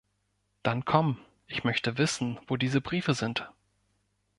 Dann komm, ich möchte wissen, wo diese Briefe sind.